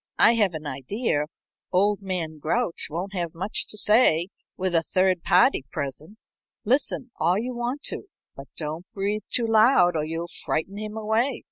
I have an idea old man Grouch won't have much to say with a third party present. Listen all you want to, but don't breathe too loud or you'll frighten him away."